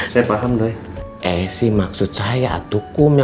saya paham nih eh sih maksud saya a